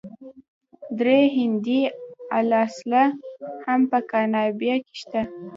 درې هندي الاصله هم په کابینه کې شته.